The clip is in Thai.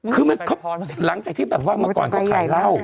คือหลังจากที่แบบว่าเมื่อก่อนเขาขายเหล้า